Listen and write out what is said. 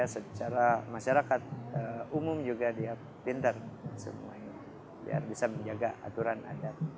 secara masyarakat umum juga dia pintar semuanya biar bisa menjaga aturan adat